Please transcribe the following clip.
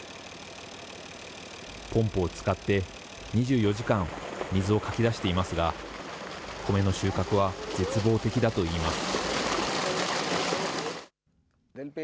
ポンプを使って２４時間、水をかき出していますが、米の収穫は絶望的だといいます。